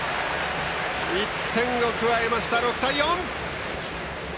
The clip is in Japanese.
１点を加えました６対４。